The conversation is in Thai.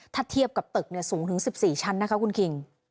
ถ้าเทียบกับตึกสูงถึง๑๔ชั้นนะคะคุณคิง